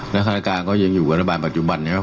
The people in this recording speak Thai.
มิถาสการก็ยังอยู่กับธุรกิจกรรมปฏิบัน